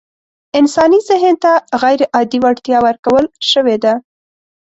انساني ذهن ته غيرعادي وړتيا ورکول شوې ده.